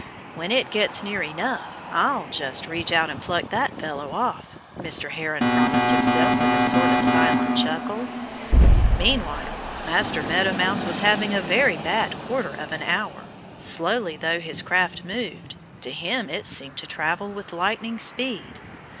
"When it gets near enough I'll just reach out and pluck that fellow off," Mr. Heron promised himself with a sort of silent chuckle. Meanwhile Master Meadow Mouse was having a very bad quarter of an hour. Slowly though his craft moved, to him it seemed to travel with lightning speed.